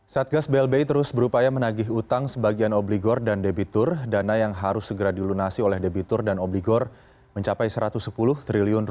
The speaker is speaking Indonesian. satgas blbi terus berupaya menagih utang sebagian obligor dan debitur dana yang harus segera dilunasi oleh debitur dan obligor mencapai rp satu ratus sepuluh triliun